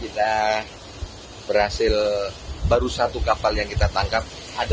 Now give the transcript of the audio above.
tapi periksa ruangan ruangan